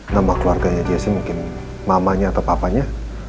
nama keluarganya jessi mungkin mamanya atau papanya